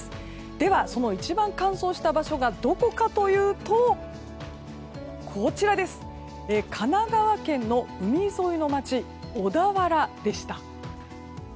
では、その一番乾燥した場所がどこかというと神奈川県の海沿いの街、小田原でした。